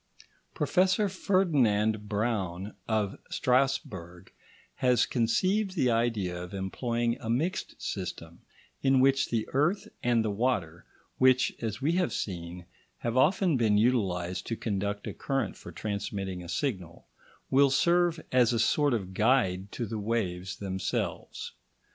Professor Ferdinand Braun of Strasburg has conceived the idea of employing a mixed system, in which the earth and the water, which, as we have seen, have often been utilised to conduct a current for transmitting a signal, will serve as a sort of guide to the waves themselves.